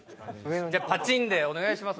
じゃあパチンでお願いします